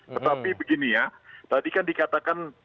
tetapi begini ya tadi kan dikatakan